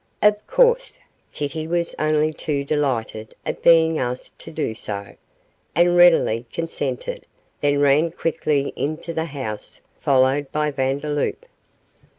Of course, Kitty was only too delighted at being asked to do so, and readily consented, then ran quickly into the house, followed by Vandeloup.